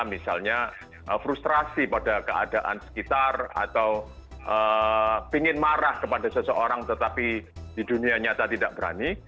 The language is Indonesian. misalnya frustrasi pada keadaan sekitar atau pingin marah kepada seseorang tetapi di dunia nyata tidak berani